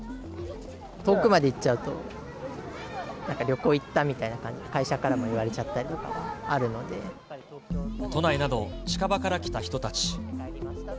遠くまで行っちゃうと、なんか旅行行ったみたいな、会社からも言われちゃったりとか都内など近場から来た人たち。